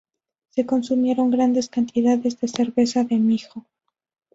Se consumieron grandes cantidades de cerveza de mijo.